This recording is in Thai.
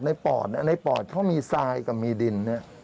ในปอดเค้ามีทรายมีดิน